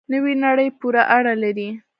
نوې نړۍ پورې اړه لري.